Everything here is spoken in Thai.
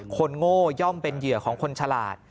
โง่ย่อมเป็นเหยื่อของคนฉลาด